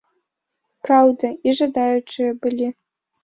Праўда, і жадаючыя былі.